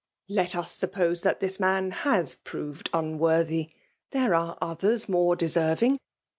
'' Let ub sup« pose that this man has proved unworthy, there are others more deserving.